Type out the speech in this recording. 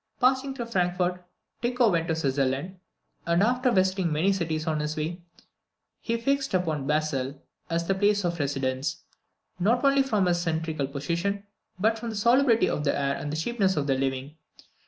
Passing through Frankfort, Tycho went into Switzerland; and, after visiting many cities on his way, he fixed upon Basle as a place of residence, not only from its centrical position, but from the salubrity of the air, and the cheapness of living.